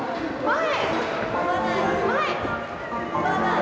前！